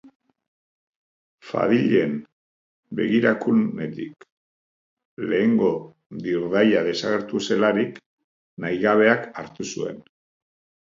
Fadilen begirakunetik lehengo dirdaia desagertu zelarik, nahigabeak hartu zuen.